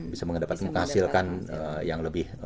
bisa menghasilkan yang lebih